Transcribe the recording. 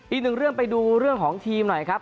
อีกหนึ่งเรื่องไปดูเรื่องของทีมหน่อยครับ